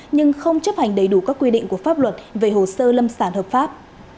nhưng không chấp hành đầy đủ các quy định của pháp luật về hồ sơ lâm sản hợp pháp